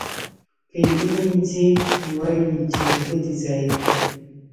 که یې ومینځي نو وایي یې چې اوبه دې ضایع کړې.